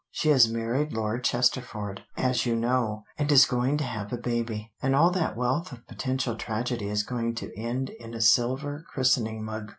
"She has married Lord Chesterford, as you know, and is going to have a baby. And all that wealth of potential tragedy is going to end in a silver christening mug.